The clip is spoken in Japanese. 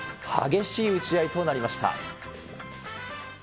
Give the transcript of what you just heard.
激しい打ち合いとなりました。